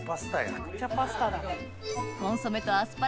めちゃくちゃパスタだ。